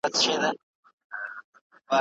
څېړونکي څرګنده کړه چي ادبیات بېلابېل ډولونه لري.